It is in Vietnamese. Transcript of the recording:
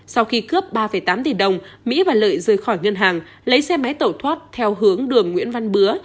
sau khi cướp ba tám tỷ đồng mỹ và lợi rời khỏi ngân hàng lấy xe máy tẩu thoát theo hướng đường nguyễn văn bứa